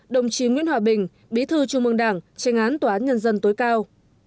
hai mươi một đồng chí nguyễn hòa bình bí thư trung mương đảng tránh án tòa án nhân dân tối cao